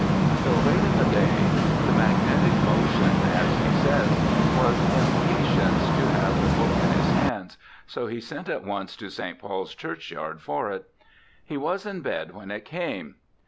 Though late in the day, ' the magnetic SIR THOMAS BROWNE 261 motion,' as he says, 'was impatience to have the booke in his hands,' so he sent at once to St. Paul's churchyard for it. He was in bed when it came.